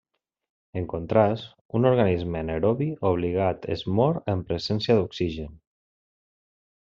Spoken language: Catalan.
En contrast, un organisme anaerobi obligat es mor en presència d'oxigen.